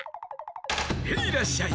ヘイらっしゃい！